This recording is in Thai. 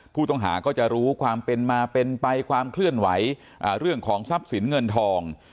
ผู้ต้องหาก็จะรู้ความเป็นมาเป็นไปความเคลื่อนไหวเรื่องของทรัพย์สินเงินทอง